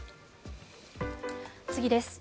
次です。